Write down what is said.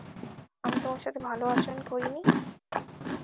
আমি তোমার সাথে ভালো আচরণ করি নি?